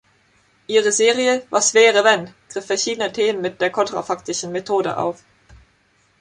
Ihre Serie "Was wäre wenn" griff verschiedene Themen mit der kontra-faktischen Methode auf.